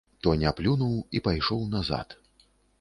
Тоня плюнуў і пайшоў назад.